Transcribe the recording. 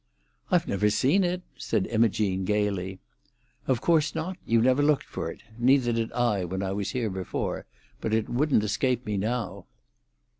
"I've never seen it," said Imogene gaily. "Of course not. You never looked for it. Neither did I when I was here before. But it wouldn't escape me now."